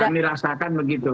yang kami rasakan begitu